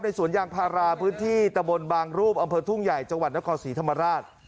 สวนยางพาราพื้นที่ตะบนบางรูปอำเภอทุ่งใหญ่จังหวัดนครศรีธรรมราช